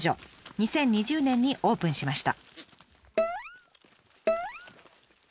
２０２０年にオープンしました。